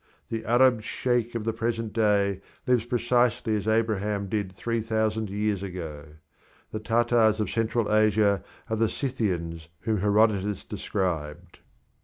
The Arab sheikh of the present day lives precisely as Abraham did three thousand years ago; the Tartars of Central Asia are the Scythians whom Herodotus described.